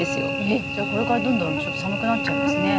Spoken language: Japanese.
えっじゃあこれからどんどんちょっと寒くなっちゃいますね。